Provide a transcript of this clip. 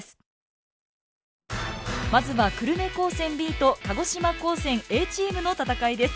まずは久留米高専Ｂと鹿児島高専Ａチームの戦いです。